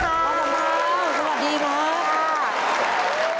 พระภรรถสวัสดีครับ